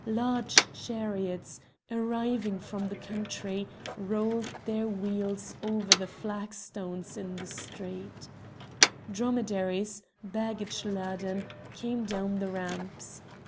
Large chariots, arriving from the country, rolled their wheels over the flagstones in the streets. Dromedaries, baggage laden, came down the ramps.